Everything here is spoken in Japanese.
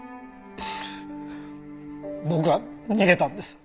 僕は逃げたんです。